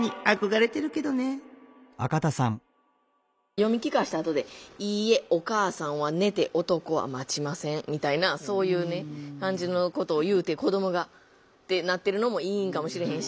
読み聞かせたあとで「いいえ。お母さんは寝て男は待ちません」みたいなそういう感じのことを言うて子どもがってなってるのもいいんかもしれへんし。